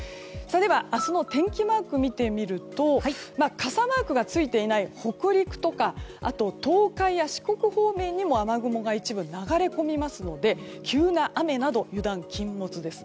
では明日の天気マークを見てみると傘マークがついていない北陸とか東海や四国方面にも雨雲が一部流れ込みますので急な雨など油断禁物です。